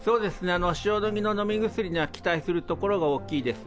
塩野義の飲み薬には期待するところが大きいです。